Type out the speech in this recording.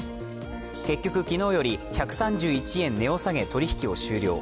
結局昨日より１３１円値を下げ、取引を終了。